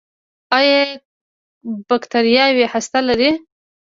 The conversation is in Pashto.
ایا بکتریاوې هسته لري؟